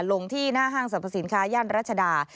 ลงที่หน้าห้างสรรพสินค้าย่านรัชดา